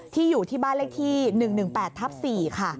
ที่อยู่ที่บ้านเลขที่๑๑๘๔ค่ะ